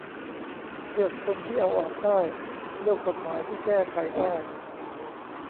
เลือกคนที่เอาออกได้ เลือกกฎหมายที่แก้ไขได้